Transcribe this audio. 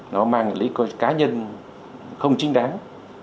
nó mang lý cá nhân không chính đáng